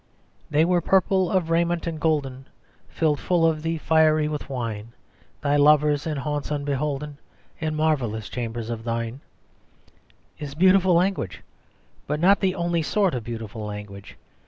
"They were purple of raiment and golden, Filled full of thee, fiery with wine, Thy lovers in haunts unbeholden, In marvellous chambers of thine," is beautiful language, but not the only sort of beautiful language.